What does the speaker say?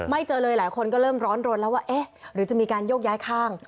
เจอเลยหลายคนก็เริ่มร้อนรนแล้วว่าเอ๊ะหรือจะมีการโยกย้ายข้าง